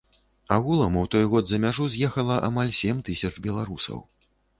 Агулам, у той год за мяжу з'ехала амаль сем тысяч беларусаў.